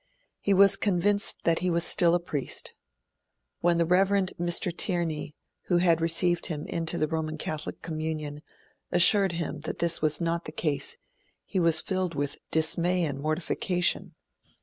He was convinced that he was still a priest. When the Rev. Mr. Tierney, who had received him into the Roman Catholic communion, assured him that this was not the case, he was filled with dismay and mortification.